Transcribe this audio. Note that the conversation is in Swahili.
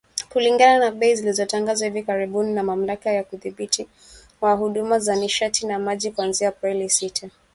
Kulingana na bei zilizotangazwa hivi karibuni na Mamlaka ya Udhibiti wa Huduma za Nishati na Maji kuanzia Aprili sita .